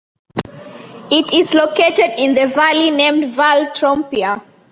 It is located in the valley named Val Trompia.